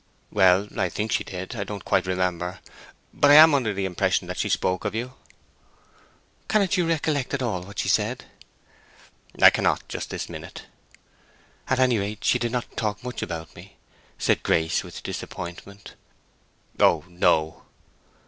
"Well—I think she did—I don't quite remember; but I am under the impression that she spoke of you." "Cannot you recollect at all what she said?" "I cannot, just this minute." "At any rate she did not talk much about me?" said Grace with disappointment. "Oh no."